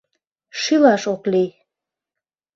Шӱлаш ок лий...